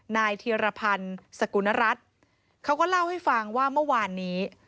เทียรพันธ์สกุณรัฐเขาก็เล่าให้ฟังว่าเมื่อวานนี้